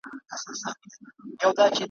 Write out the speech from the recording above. چي انسان هم آموخته په غلامۍ سي `